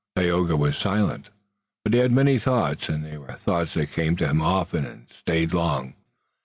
Tayoga was silent but he had many thoughts, and they were thoughts that came to him often and stayed long.